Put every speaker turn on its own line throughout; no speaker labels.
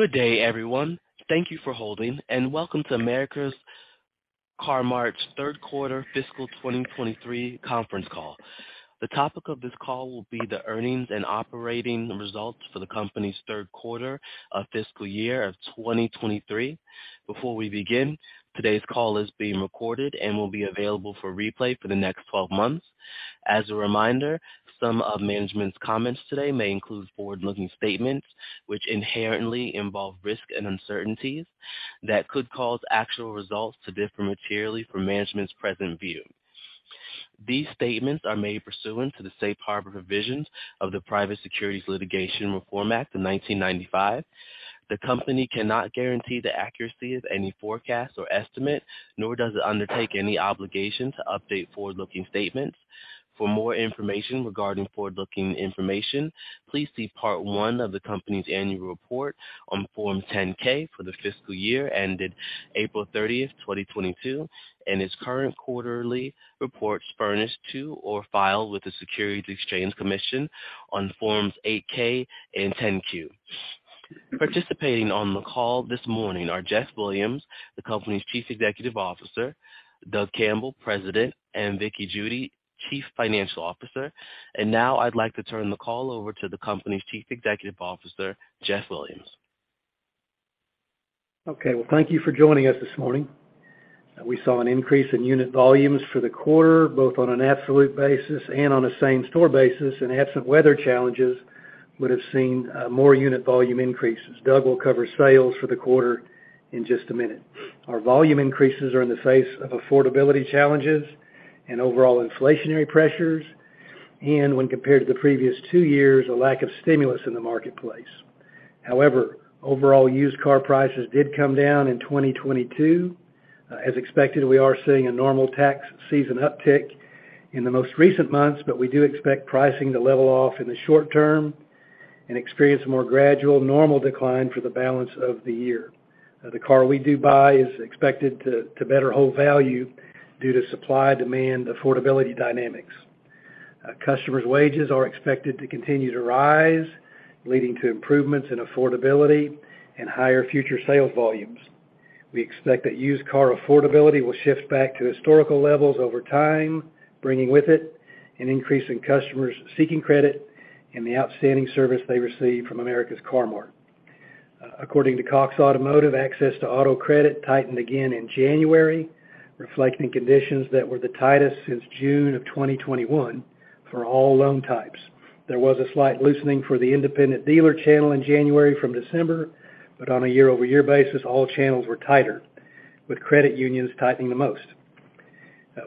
Good day, everyone. Thank you for holding. Welcome to America's Car-Mart's third quarter fiscal 2023 conference call. The topic of this call will be the earnings and operating results for the company's third quarter of fiscal year of 2023. Before we begin, today's call is being recorded and will be available for replay for the next 12 months. As a reminder, some of management's comments today may include forward-looking statements, which inherently involve risks and uncertainties that could cause actual results to differ materially from management's present view. These statements are made pursuant to the safe harbor provisions of the Private Securities Litigation Reform Act of 1995. The company cannot guarantee the accuracy of any forecast or estimate, nor does it undertake any obligation to update forward-looking statements. For more information regarding forward-looking information, please see Part One of the company's annual report on Form 10-K for the fiscal year ended April 30th, 2022, and its current quarterly reports furnished to or filed with the Securities and Exchange Commission on Forms 8-K and 10-Q. Participating on the call this morning are Jeff Williams, the company's Chief Executive Officer, Doug Campbell, President, and Vickie Judy, Chief Financial Officer. Now I'd like to turn the call over to the company's Chief Executive Officer, Jeff Williams.
Okay. Well, thank you for joining us this morning. We saw an increase in unit volumes for the quarter, both on an absolute basis and on a same-store basis, and absent weather challenges would have seen more unit volume increases. Doug will cover sales for the quarter in just a minute. Our volume increases are in the face of affordability challenges and overall inflationary pressures. When compared to the previous two years, a lack of stimulus in the marketplace. However, overall used car prices did come down in 2022. As expected, we are seeing a normal tax season uptick in the most recent months, we do expect pricing to level off in the short term and experience more gradual normal decline for the balance of the year. The car we do buy is expected to better hold value due to supply, demand, affordability dynamics. Customers' wages are expected to continue to rise, leading to improvements in affordability and higher future sales volumes. We expect that used car affordability will shift back to historical levels over time, bringing with it an increase in customers seeking credit and the outstanding service they receive from America's Car-Mart. According to Cox Automotive, access to auto credit tightened again in January, reflecting conditions that were the tightest since June of 2021 for all loan types. There was a slight loosening for the independent dealer channel in January from December, but on a year-over-year basis, all channels were tighter, with credit unions tightening the most.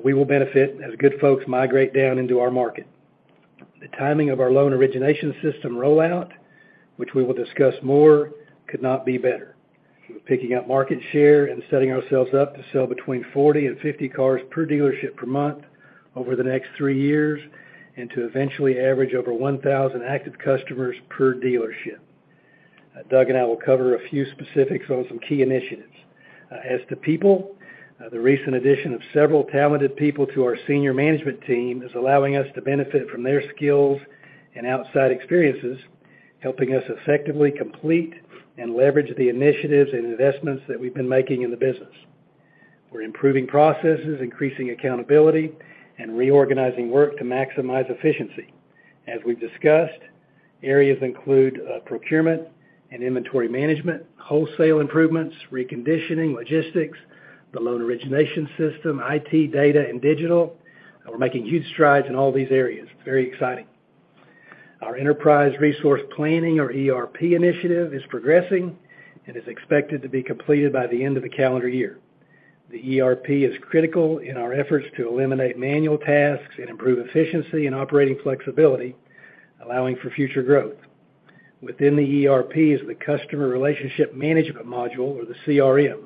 We will benefit as good folks migrate down into our market. The timing of our loan origination system rollout, which we will discuss more, could not be better. We're picking up market share and setting ourselves up to sell between 40 and 50 cars per dealership per month over the next three years, and to eventually average over 1,000 active customers per dealership. Doug and I will cover a few specifics on some key initiatives. As to people, the recent addition of several talented people to our senior management team is allowing us to benefit from their skills and outside experiences, helping us effectively complete and leverage the initiatives and investments that we've been making in the business. We're improving processes, increasing accountability, and reorganizing work to maximize efficiency. As we've discussed, areas include procurement and inventory management, wholesale improvements, reconditioning, logistics, the loan origination system, IT, data, and digital. We're making huge strides in all these areas. Very exciting. Our enterprise resource planning or ERP initiative is progressing and is expected to be completed by the end of the calendar year. The ERP is critical in our efforts to eliminate manual tasks and improve efficiency and operating flexibility, allowing for future growth. Within the ERP is the customer relationship management module or the CRM.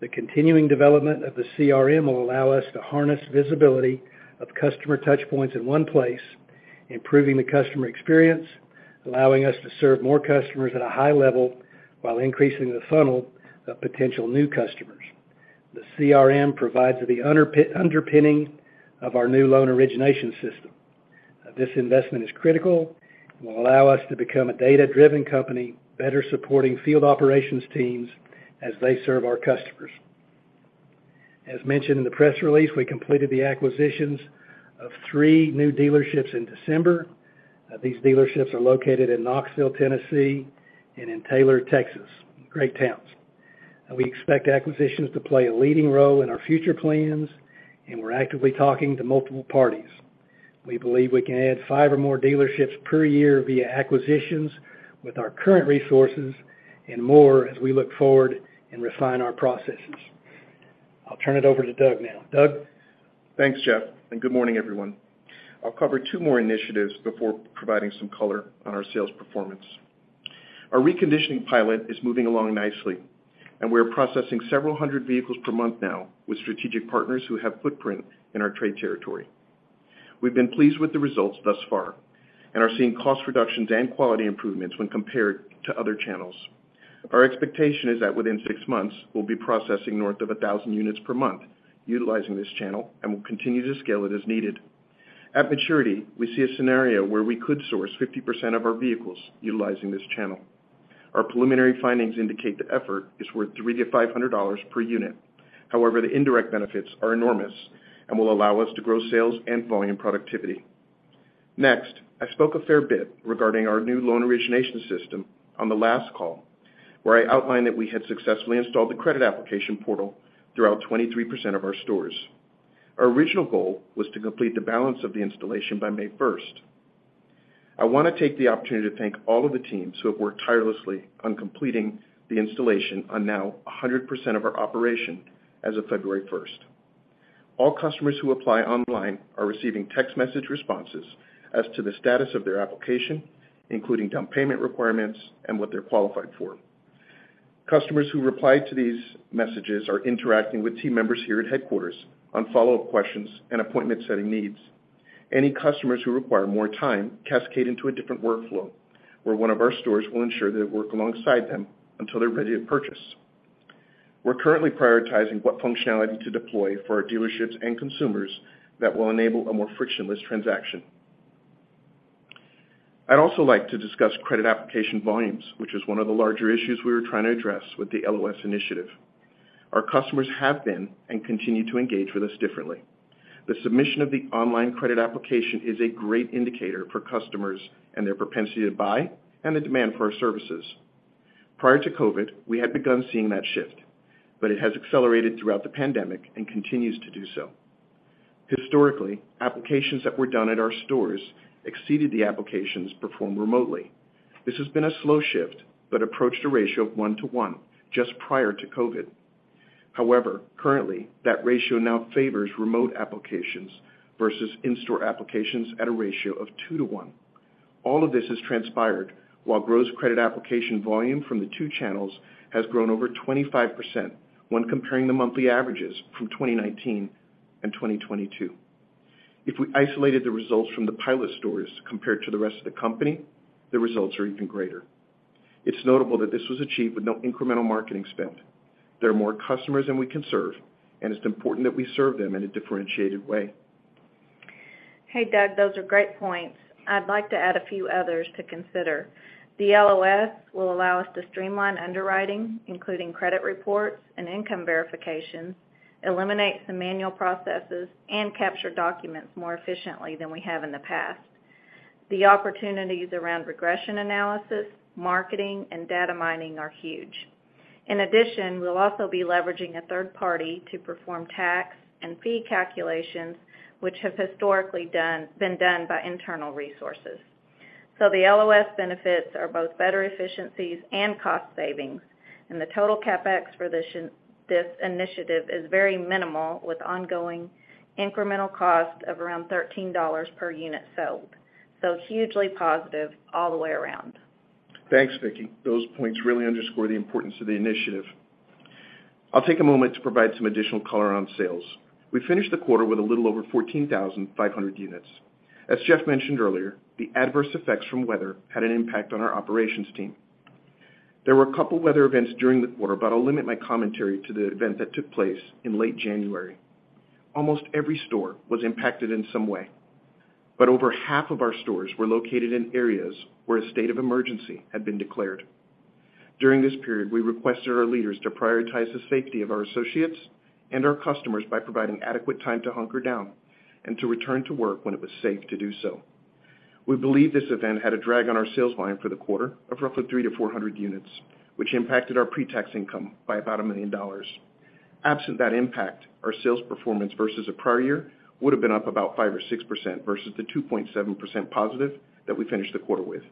The continuing development of the CRM will allow us to harness visibility of customer touchpoints in one place, improving the customer experience, allowing us to serve more customers at a high level while increasing the funnel of potential new customers. The CRM provides the underpinning of our new loan origination system. This investment is critical and will allow us to become a data-driven company, better supporting field operations teams as they serve our customers. As mentioned in the press release, we completed the acquisitions of three new dealerships in December. These dealerships are located in Knoxville, Tennessee, and in Taylor, Texas. Great towns. We expect acquisitions to play a leading role in our future plans, and we're actively talking to multiple parties. We believe we can add five or more dealerships per year via acquisitions with our current resources and more as we look forward and refine our processes. I'll turn it over to Doug now. Doug?
Thanks, Jeff. Good morning, everyone. I'll cover two more initiatives before providing some color on our sales performance. Our reconditioning pilot is moving along nicely, and we are processing several hundred vehicles per month now with strategic partners who have footprint in our trade territory. We've been pleased with the results thus far and are seeing cost reductions and quality improvements when compared to other channels. Our expectation is that within six months, we'll be processing north of 1,000 units per month utilizing this channel and will continue to scale it as needed. At maturity, we see a scenario where we could source 50% of our vehicles utilizing this channel. Our preliminary findings indicate the effort is worth $300-$500 per unit. The indirect benefits are enormous and will allow us to grow sales and volume productivity. Next, I spoke a fair bit regarding our new loan origination system on the last call, where I outlined that we had successfully installed the credit application portal throughout 23% of our stores. Our original goal was to complete the balance of the installation by May first. I wanna take the opportunity to thank all of the teams who have worked tirelessly on completing the installation on now 100% of our operation as of February first. All customers who apply online are receiving text message responses as to the status of their application, including down payment requirements and what they're qualified for. Customers who reply to these messages are interacting with team members here at headquarters on follow-up questions and appointment setting needs. Any customers who require more time cascade into a different workflow, where one of our stores will ensure they work alongside them until they're ready to purchase. We're currently prioritizing what functionality to deploy for our dealerships and consumers that will enable a more frictionless transaction. I'd also like to discuss credit application volumes, which is one of the larger issues we were trying to address with the LOS initiative. Our customers have been and continue to engage with us differently. The submission of the online credit application is a great indicator for customers and their propensity to buy and the demand for our services. Prior to COVID, we had begun seeing that shift, but it has accelerated throughout the pandemic and continues to do so. Historically, applications that were done at our stores exceeded the applications performed remotely. This has been a slow shift, but approached a ratio of one to one just prior to COVID. However, currently, that ratio now favors remote applications versus in-store applications at a ratio of two to one. All of this has transpired while gross credit application volume from the two channels has grown over 25% when comparing the monthly averages from 2019 and 2022. If we isolated the results from the pilot stores compared to the rest of the company, the results are even greater. It's notable that this was achieved with no incremental marketing spend. There are more customers than we can serve, and it's important that we serve them in a differentiated way.
Hey, Doug, those are great points. I'd like to add a few others to consider. The LOS will allow us to streamline underwriting, including credit reports and income verification, eliminate some manual processes, and capture documents more efficiently than we have in the past. The opportunities around regression analysis, marketing, and data mining are huge. In addition, we'll also be leveraging a third party to perform tax and fee calculations, which have historically been done by internal resources. The LOS benefits are both better efficiencies and cost savings, and the total CapEx for this initiative is very minimal with ongoing incremental cost of around $13 per unit sold. Hugely positive all the way around.
Thanks, Vickie. Those points really underscore the importance of the initiative. I'll take a moment to provide some additional color on sales. We finished the quarter with a little over 14,500 units. As Jeff mentioned earlier, the adverse effects from weather had an impact on our operations team. There were a couple weather events during the quarter, but I'll limit my commentary to the event that took place in late January. Almost every store was impacted in some way, but over half of our stores were located in areas where a state of emergency had been declared. During this period, we requested our leaders to prioritize the safety of our associates and our customers by providing adequate time to hunker down and to return to work when it was safe to do so. We believe this event had a drag on our sales volume for the quarter of roughly 300-400 units, which impacted our pre-tax income by about $1 million. Absent that impact, our sales performance versus the prior year would have been up about 5% or 6% versus the 2.7% positive that we finished the quarter with.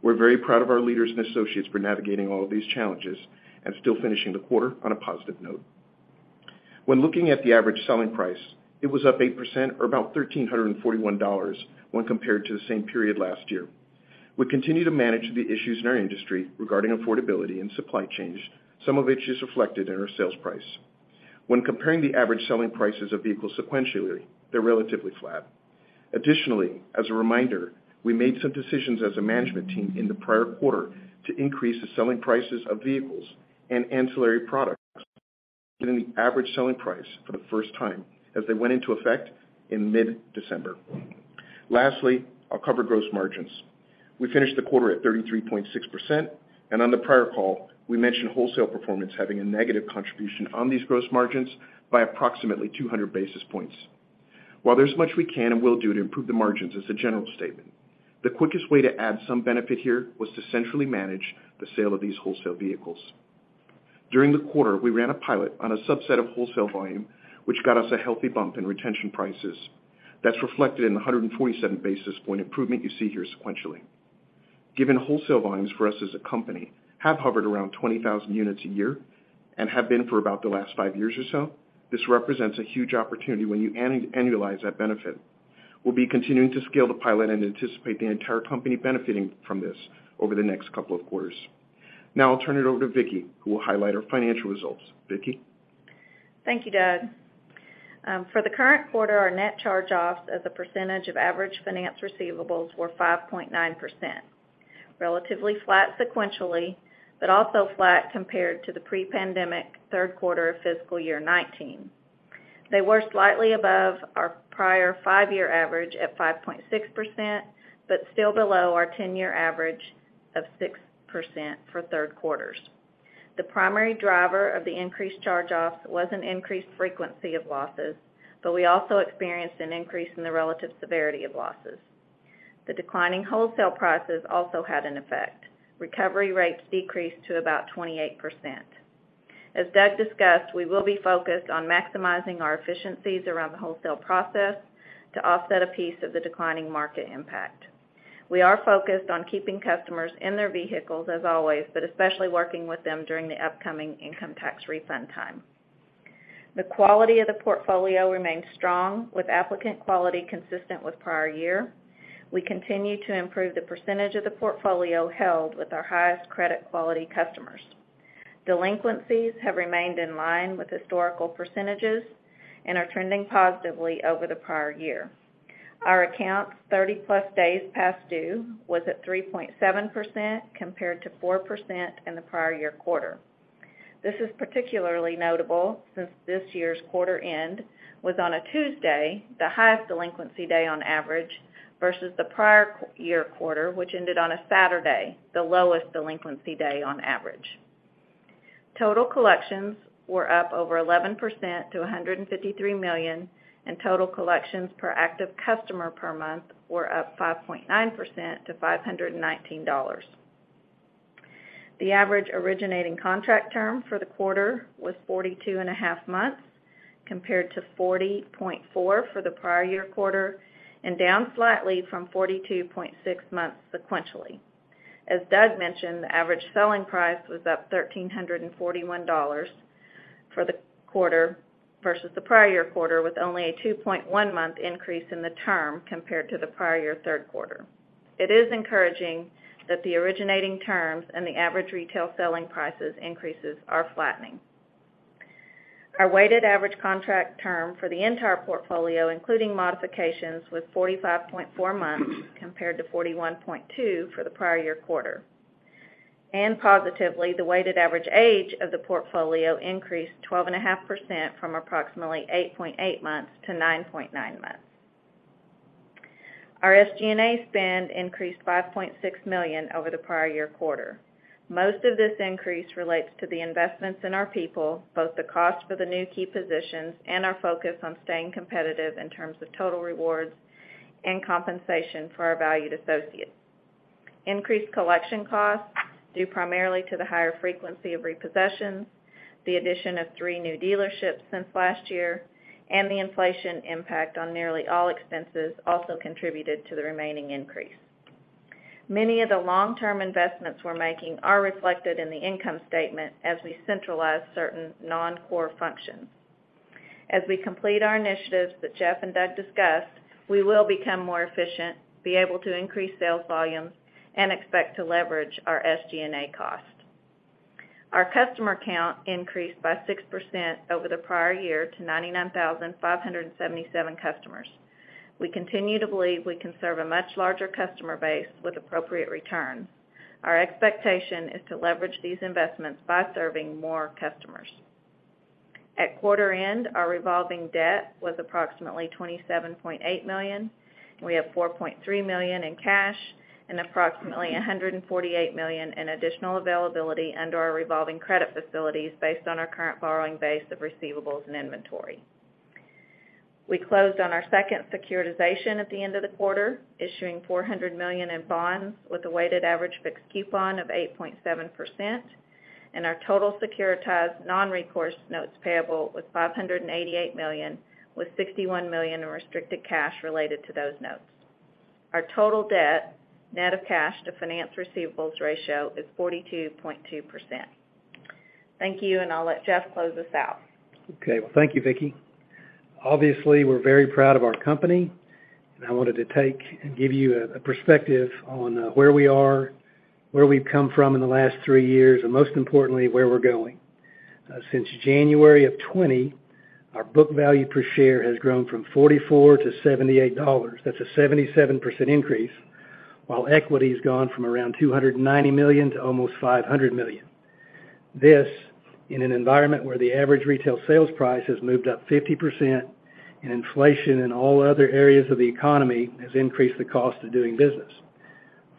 We're very proud of our leaders and associates for navigating all of these challenges and still finishing the quarter on a positive note. When looking at the average selling price, it was up 8% or about $1,341 when compared to the same period last year. We continue to manage the issues in our industry regarding affordability and supply chains, some of which is reflected in our sales price. When comparing the average selling prices of vehicles sequentially, they're relatively flat. Additionally, as a reminder, we made some decisions as a management team in the prior quarter to increase the selling prices of vehicles and ancillary products, getting the average selling price for the first time as they went into effect in mid-December. I'll cover gross margins. We finished the quarter at 33.6%. On the prior call, we mentioned wholesale performance having a negative contribution on these gross margins by approximately 200 basis points. While there's much we can and will do to improve the margins as a general statement, the quickest way to add some benefit here was to centrally manage the sale of these wholesale vehicles. During the quarter, we ran a pilot on a subset of wholesale volume, which got us a healthy bump in retention prices. That's reflected in the 147 basis point improvement you see here sequentially. Given wholesale volumes for us as a company have hovered around 20,000 units a year and have been for about the last five years or so, this represents a huge opportunity when you annualize that benefit. We'll be continuing to scale the pilot and anticipate the entire company benefiting from this over the next couple of quarters. I'll turn it over to Vickie, who will highlight our financial results. Vickie?
Thank you, Doug. For the current quarter, our net charge-offs as a percentage of average finance receivables were 5.9%. Relatively flat sequentially, but also flat compared to the pre-pandemic third quarter of fiscal year 2019. They were slightly above our prior five-year average at 5.6%, but still below our 10-year average of 6% for third quarters. The primary driver of the increased charge-offs was an increased frequency of losses, but we also experienced an increase in the relative severity of losses. The declining wholesale prices also had an effect. Recovery rates decreased to about 28%. As Doug discussed, we will be focused on maximizing our efficiencies around the wholesale process to offset a piece of the declining market impact. We are focused on keeping customers in their vehicles as always, but especially working with them during the upcoming income tax refund time. The quality of the portfolio remains strong, with applicant quality consistent with prior year. We continue to improve the percentage of the portfolio held with our highest credit quality customers. Delinquencies have remained in line with historical percentages and are trending positively over the prior year. Our accounts 30+ days past due was at 3.7% compared to 4% in the prior year quarter. This is particularly notable since this year's quarter end was on a Tuesday, the highest delinquency day on average, versus the prior quarter, which ended on a Saturday, the lowest delinquency day on average. Total collections were up over 11% to $153 million, and total collections per active customer per month were up 5.9% to $519. The average originating contract term for the quarter was 42.5 months, compared to 40.4 for the prior year quarter, and down slightly from 42.6 months sequentially. As Doug mentioned, the average selling price was up $1,341 for the quarter versus the prior year quarter, with only a 2.1-month increase in the term compared to the prior year third quarter. It is encouraging that the originating terms and the average retail selling prices increases are flattening. Our weighted average contract term for the entire portfolio, including modifications, was 45.4 months compared to 41.2 for the prior year quarter. Positively, the weighted average age of the portfolio increased 12.5% from approximately 8.8 months to 9.9 months. Our SG&A spend increased $5.6 million over the prior year quarter. Most of this increase relates to the investments in our people, both the cost for the new key positions and our focus on staying competitive in terms of total rewards and compensation for our valued associates. Increased collection costs, due primarily to the higher frequency of repossessions, the addition of three new dealerships since last year, and the inflation impact on nearly all expenses also contributed to the remaining increase. Many of the long-term investments we're making are reflected in the income statement as we centralize certain non-core functions. As we complete our initiatives that Jeff and Doug discussed, we will become more efficient, be able to increase sales volumes, and expect to leverage our SG&A cost. Our customer count increased by 6% over the prior year to 99,577 customers. We continue to believe we can serve a much larger customer base with appropriate returns. Our expectation is to leverage these investments by serving more customers. At quarter end, our revolving debt was approximately $27.8 million. We have $4.3 million in cash and approximately $148 million in additional availability under our revolving credit facilities based on our current borrowing base of receivables and inventory. We closed on our second securitization at the end of the quarter, issuing $400 million in bonds with a weighted average fixed coupon of 8.7%, and our total securitized non-recourse notes payable was $588 million, with $61 million in restricted cash related to those notes. Our total debt, net of cash to finance receivables ratio, is 42.2%. Thank you, and I'll let Jeff close us out.
Okay. Well, thank you, Vickie. Obviously, we're very proud of our company, and I wanted to take and give you a perspective on where we are, where we've come from in the last three years, and most importantly, where we're going. Since January of 2020, our book value per share has grown from $44 to $78. That's a 77% increase, while equity's gone from around $290 million to almost $500 million. This in an environment where the average retail sales price has moved up 50% and inflation in all other areas of the economy has increased the cost of doing business.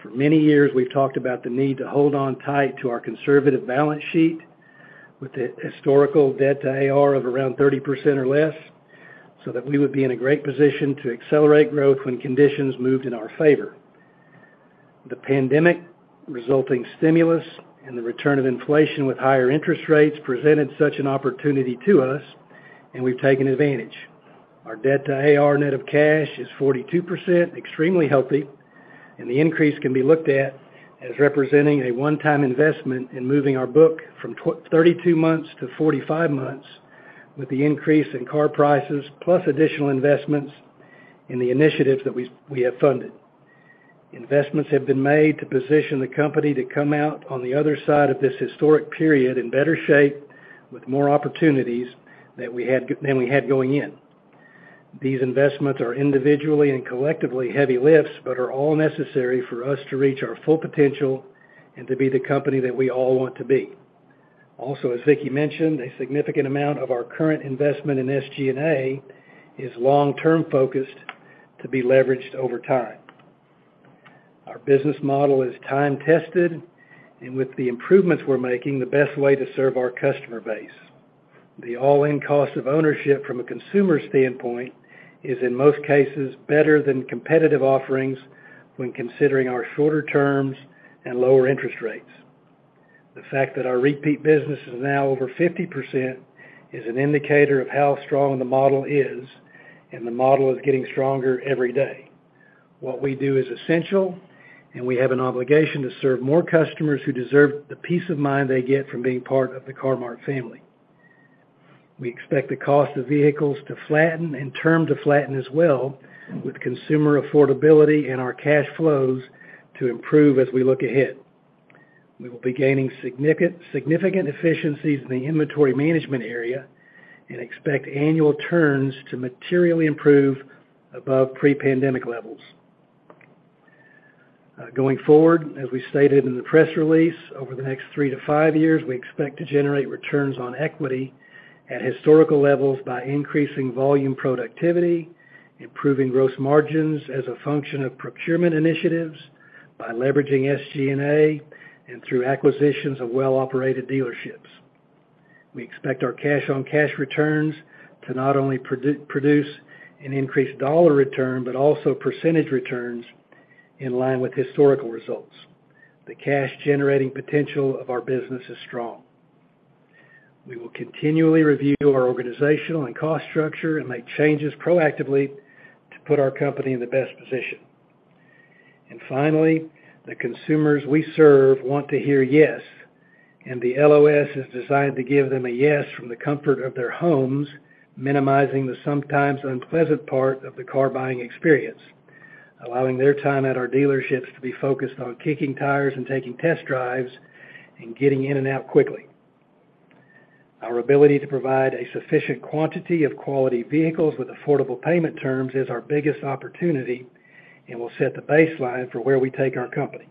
For many years, we've talked about the need to hold on tight to our conservative balance sheet with the historical debt to AR of around 30% or less, so that we would be in a great position to accelerate growth when conditions moved in our favor. The pandemic resulting stimulus and the return of inflation with higher interest rates presented such an opportunity to us, and we've taken advantage. Our debt to AR net of cash is 42%, extremely healthy, and the increase can be looked at as representing a one-time investment in moving our book from 32 months to 45 months with the increase in car prices, plus additional investments in the initiatives that we have funded. Investments have been made to position the company to come out on the other side of this historic period in better shape with more opportunities that we had than we had going in. These investments are individually and collectively heavy lifts, but are all necessary for us to reach our full potential and to be the company that we all want to be. As Vickie mentioned, a significant amount of our current investment in SG&A is long-term focused to be leveraged over time. Our business model is time-tested, and with the improvements we're making, the best way to serve our customer base. The all-in cost of ownership from a consumer standpoint is, in most cases, better than competitive offerings when considering our shorter terms and lower interest rates. The fact that our repeat business is now over 50% is an indicator of how strong the model is. The model is getting stronger every day. What we do is essential. We have an obligation to serve more customers who deserve the peace of mind they get from being part of the Car-Mart family. We expect the cost of vehicles to flatten and term to flatten as well, with consumer affordability and our cash flows to improve as we look ahead. We will be gaining significant efficiencies in the inventory management area and expect annual turns to materially improve above pre-pandemic levels. Going forward, as we stated in the press release, over the next three to five years, we expect to generate returns on equity at historical levels by increasing volume productivity, improving gross margins as a function of procurement initiatives, by leveraging SG&A, and through acquisitions of well-operated dealerships. We expect our cash-on-cash returns to not only produce an increased dollar return, but also percentage returns in line with historical results. The cash-generating potential of our business is strong. We will continually review our organizational and cost structure and make changes proactively to put our company in the best position. Finally, the consumers we serve want to hear yes, and the LOS is designed to give them a yes from the comfort of their homes, minimizing the sometimes unpleasant part of the car buying experience, allowing their time at our dealerships to be focused on kicking tires and taking test drives and getting in and out quickly. Our ability to provide a sufficient quantity of quality vehicles with affordable payment terms is our biggest opportunity and will set the baseline for where we take our company.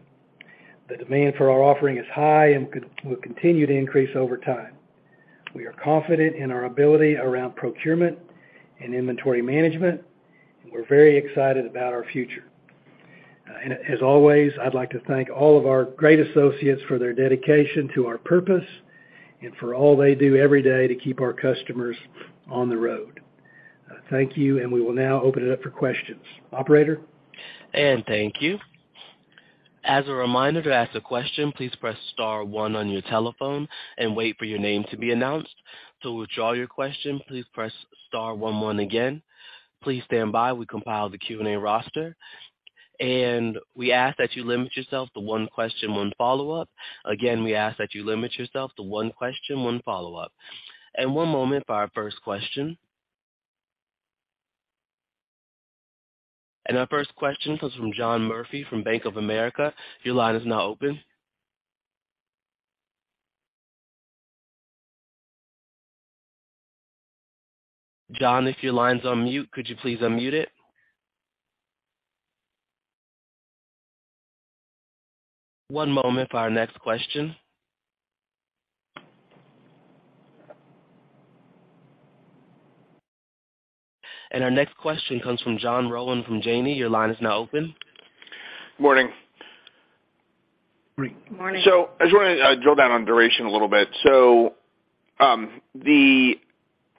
The demand for our offering is high and will continue to increase over time. We are confident in our ability around procurement and inventory management. We're very excited about our future. As always, I'd like to thank all of our great associates for their dedication to our purpose and for all they do every day to keep our customers on the road. Thank you, and we will now open it up for questions. Operator?
Thank you. As a reminder, to ask a question, please press star one on your telephone and wait for your name to be announced. To withdraw your question, please press star one one again. Please stand by. We compiled the Q&A roster. We ask that you limit yourself to one question, one follow-up. Again, we ask that you limit yourself to one question, one follow-up. One moment for our first question. Our first question comes from John Murphy from Bank of America. Your line is now open. John, if your line's on mute, could you please unmute it? One moment for our next question. Our next question comes from John Rowan from Janney. Your line is now open.
Morning.
Morning.
Morning.
I just wanna drill down on duration a little bit. The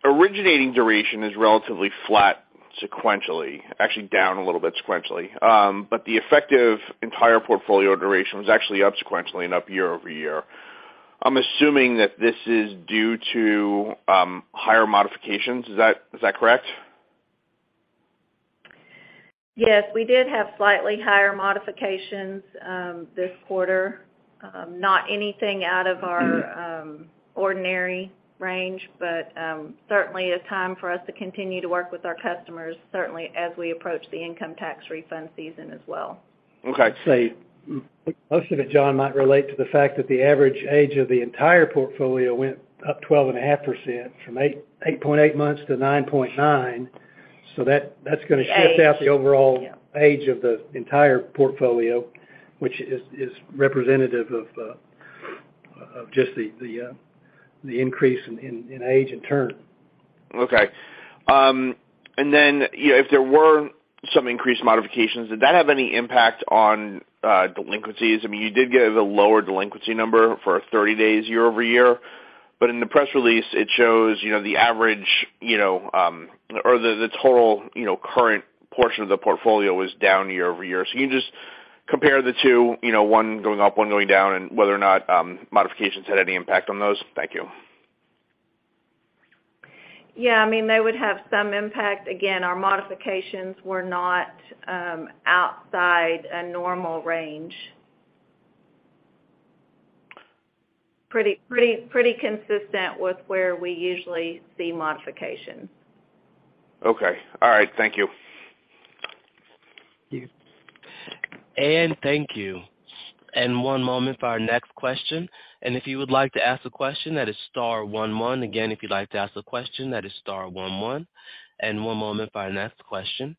originating duration is relatively flat sequentially, actually down a little bit sequentially. The effective entire portfolio duration was actually up sequentially and up year-over-year. I'm assuming that this is due to higher modifications. Is that correct?
Yes, we did have slightly higher modifications, this quarter. Not anything out of our ordinary range, but certainly a time for us to continue to work with our customers, certainly as we approach the income tax refund season as well.
Okay.
Most of it, John, might relate to the fact that the average age of the entire portfolio went up 12.5% from 8.8 months to 9.9. That's going to shift.
The age.
Out the overall.
Yeah.
Age of the entire portfolio, which is representative of just the increase in age and turn.
Okay. If there were some increased modifications, did that have any impact on delinquencies? I mean, you did get the lower delinquency number for 30 days year-over-year. In the press release, it shows, you know, the average, you know, or the total, you know, current portion of the portfolio was down year-over-year. Can you just compare the two, you know, one going up, one going down, and whether or not modifications had any impact on those? Thank you.
Yeah, I mean, they would have some impact. Again, our modifications were not outside a normal range. Pretty consistent with where we usually see modifications.
Okay. All right. Thank you.
Thank you. One moment for our next question. If you would like to ask a question, that is star one one. Again, if you'd like to ask a question, that is star one one. One moment for our next question.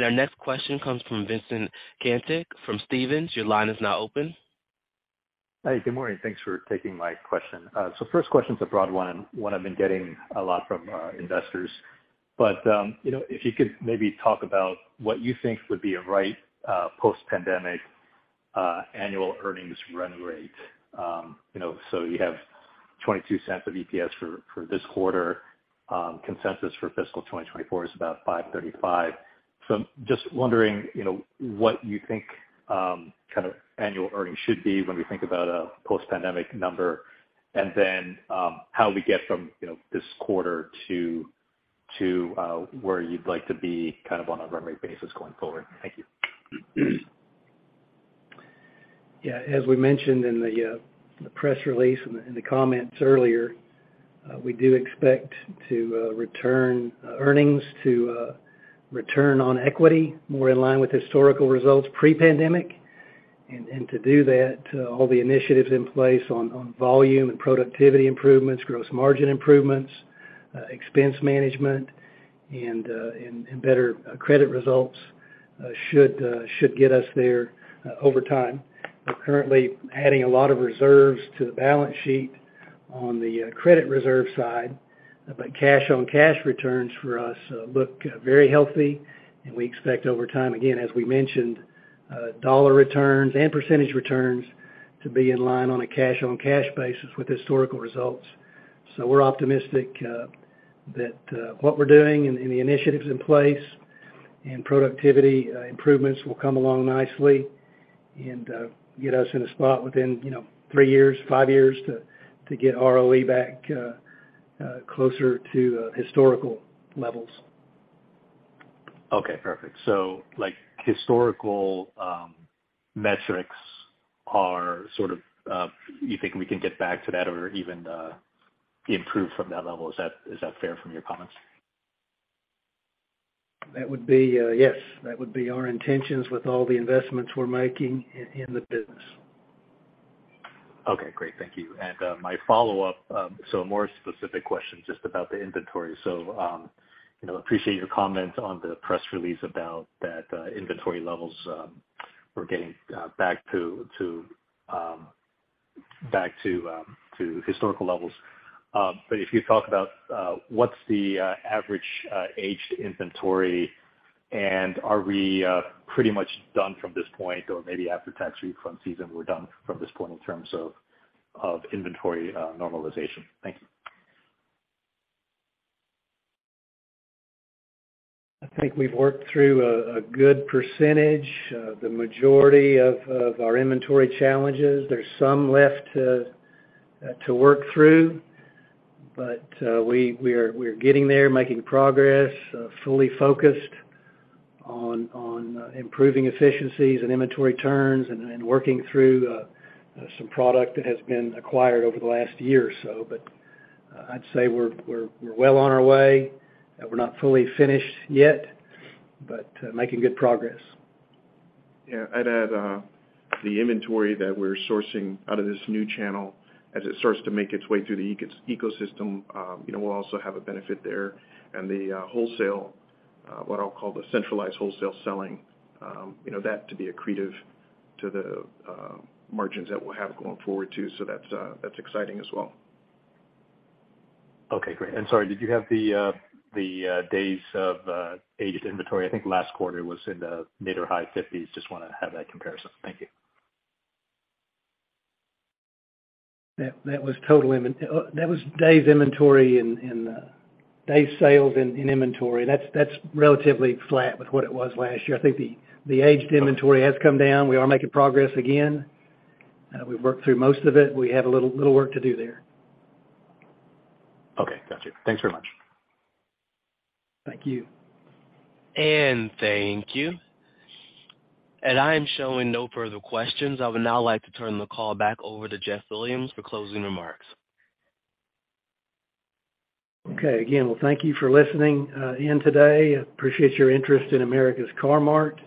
Our next question comes from Vincent Caintic from Stephens. Your line is now open.
Hi, good morning. Thanks for taking my question. First question's a broad one, and one I've been getting a lot from investors. You know, if you could maybe talk about what you think would be a right post-pandemic annual earnings run rate. You know, you have $0.22 of EPS for this quarter. Consensus for fiscal 2024 is about $5.35. Just wondering, you know, what you think kind of annual earnings should be when we think about a post-pandemic number. How we get from, you know, this quarter to where you'd like to be kind of on a run rate basis going forward. Thank you.
Yeah. As we mentioned in the press release and the comments earlier, we do expect to return earnings to return on equity more in line with historical results pre-pandemic. To do that, all the initiatives in place on volume and productivity improvements, gross margin improvements, expense management, and better credit results, should get us there, over time. We're currently adding a lot of reserves to the balance sheet on the credit reserve side. Cash on cash returns for us, look very healthy, and we expect over time, again, as we mentioned, dollar returns and percentage returns to be in line on a cash on cash basis with historical results. We're optimistic that what we're doing and the initiatives in place and productivity improvements will come along nicely and get us in a spot within, you know, three years, five years to get ROE back closer to historical levels.
Okay, perfect. Like historical metrics are sort of, you think we can get back to that or even improve from that level? Is that fair from your comments?
That would be, yes. That would be our intentions with all the investments we're making in the business.
Okay, great. Thank you. My follow-up, a more specific question just about the inventory. You know, appreciate your comments on the press release about that, inventory levels were getting back to historical levels. If you talk about what's the average aged inventory, and are we pretty much done from this point or maybe after tax refund season, we're done from this point in terms of inventory normalization? Thank you.
I think we've worked through a good percentage, the majority of our inventory challenges. There's some left to work through, but we're getting there, making progress, fully focused on improving efficiencies and inventory turns and working through some product that has been acquired over the last year or so. I'd say we're well on our way, we're not fully finished yet, but making good progress.
Yeah. I'd add, the inventory that we're sourcing out of this new channel as it starts to make its way through the ecosystem, you know, we'll also have a benefit there. The wholesale, what I'll call the centralized wholesale selling, you know, that to be accretive to the margins that we'll have going forward too. That's, that's exciting as well.
Okay, great. Sorry, did you have the days of aged inventory? I think last quarter was in the mid or high fifties. Just wanna have that comparison. Thank you.
That was total inventory and Days sales in inventory. That's relatively flat with what it was last year. I think the aged inventory has come down. We are making progress again. We've worked through most of it. We have a little work to do there.
Okay. Gotcha. Thanks very much.
Thank you.
Thank you. I am showing no further questions. I would now like to turn the call back over to Jeff Williams for closing remarks.
Okay. Again, well, thank you for listening in today. Appreciate your interest in America's Car-Mart.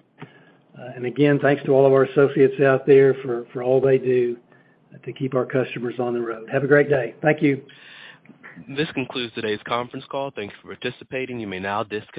Again, thanks to all of our associates out there for all they do to keep our customers on the road. Have a great day. Thank you.
This concludes today's conference call. Thank you for participating. You may now disconnect.